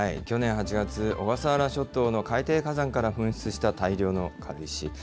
去年８月、小笠原諸島の海底火山から噴出した大量の軽石。